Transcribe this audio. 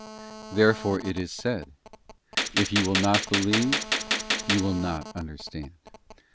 There fore is it said, ' If you will not believe you shall not under stand.